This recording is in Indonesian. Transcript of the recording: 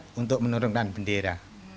dia juga menurunkan bendera